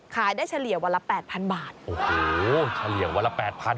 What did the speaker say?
ขายได้เฉลี่ยวันละแปดพันบาทโอ้โหเฉลี่ยวันละแปดพัน